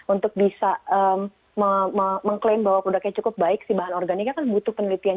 untuk bisa mengklaim bahwa produknya cukup baik si bahan organiknya kan butuh penelitian